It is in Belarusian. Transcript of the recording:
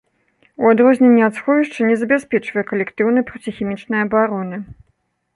У адрозненне ад сховішча не забяспечвае калектыўнай проціхімічнай абароны.